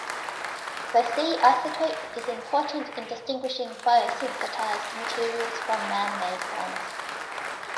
The C isotope is important in distinguishing biosynthetized materials from man-made ones.